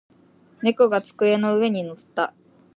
猫が机の上に乗った。